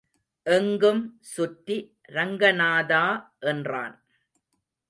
எங்கும் சுற்றி ரங்கநாதா என்றான்.